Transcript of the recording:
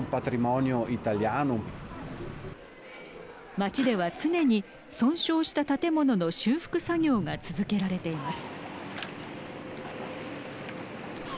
町では常に損傷した建物の修復作業が続けられています。